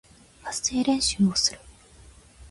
発声練習をする